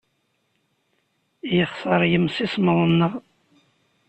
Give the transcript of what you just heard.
Yexṣer yemsismeḍ-nneɣ.